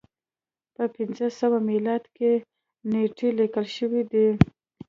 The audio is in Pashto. په پنځه سوه میلادي کال کې نېټې لیکل شوې دي.